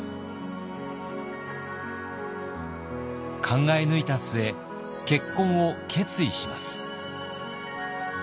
考え抜いた末結婚を決意します。